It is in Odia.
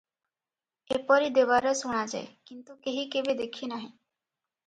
ଏପରି ଦେବାର ଶୁଣାଯାଏ, କିନ୍ତୁ କେହି କେବେ ଦେଖି ନାହିଁ ।